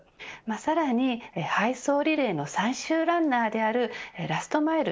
さらに配送リレーの最終ランナーであるラストマイル